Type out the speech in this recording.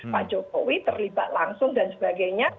pak jokowi terlibat langsung dan sebagainya